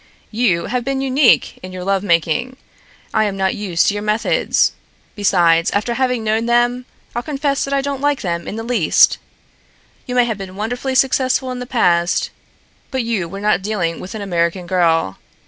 "You have been unique in your love making. I am not used to your methods. Besides, after having known them, I'll confess that I don't like them in the least. You may have been wonderfully successful in the past, but you were not dealing with an American girl.